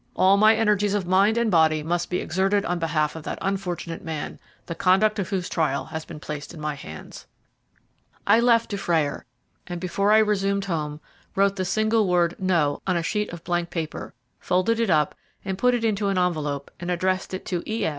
All my energies of mind and body must be exerted on behalf of that unfortunate man, the conduct of whose trial has been placed in my hands." I left Dufrayer, and before I resumed home wrote the single word "No" on a sheet of blank paper, folded it up, and put it into an envelope, and addressed it to E.